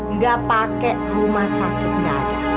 nggak pakai rumah sakit nggak ada